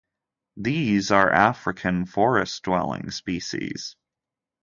These are African forest-dwelling species.